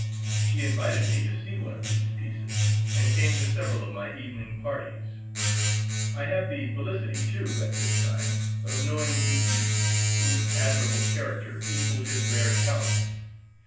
She invited me to see one of these pieces, and came to several of my evening parties. I had the felicity, too, at this time, of knowing Ducis, whose admirable character equalled his rare talent.